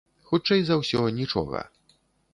Хутчэй за ўсё, нічога.